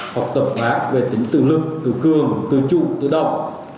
học tập bác về tính tự lực tự cường tự trụ tự động